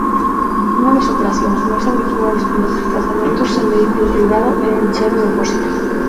Unha das operacións máis habituais nos desprazamentos en vehículo privado é encher o depósito.